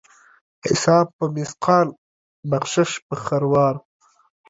حساب په مثقال ، بخشش په خروار.